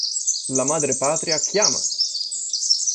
La Madre Patria chiama!